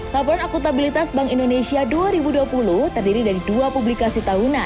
laporan akutabilitas bank indonesia dua ribu dua puluh terdiri dari dua publikasi tahunan